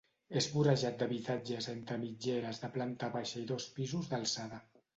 És vorejat d'habitatges entre mitgeres de planta baixa i dos pisos d'alçada.